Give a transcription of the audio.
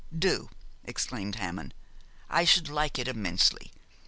'Do,' exclaimed Hammond, 'I should like it immensely.